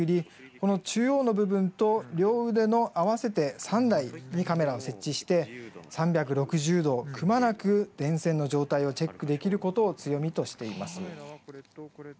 この中央の部分と両腕の合わせて３台にカメラを設置して３６０度くまなく電線の状態をチェックできることを強みとしています。